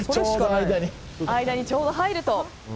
間にちょうど入ると。